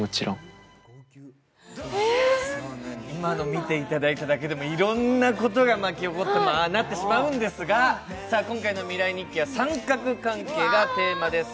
今の見ていただいただけでも、いろんなことが巻き起こってああなってしまうんですが、今回の「未来日記」は三角関係がテーマです。